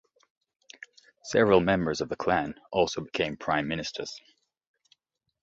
Several members of the clan also became prime ministers.